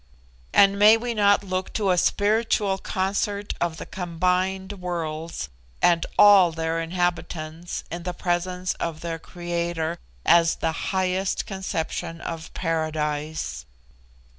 And may we not look to a spiritual concert of the combined worlds and ALL their inhabitants in the presence of their Creator as the highest conception of paradise?"